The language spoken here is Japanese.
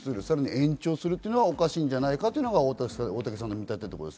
さらに延長するっていうのは、おかしいんじゃないかというのが大竹さんの見立て。